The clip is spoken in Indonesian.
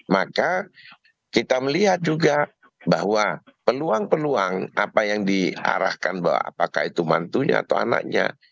maka kita melihat juga bahwa peluang peluang apa yang diarahkan bahwa apakah itu mantunya atau anaknya